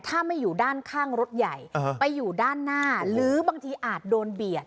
ถ้าไม่อยู่ด้านข้างรถใหญ่ไปอยู่ด้านหน้าหรือบางทีอาจโดนเบียด